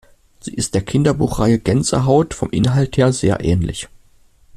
Sie ist der Kinderbuchreihe "Gänsehaut" vom Inhalt her sehr ähnlich.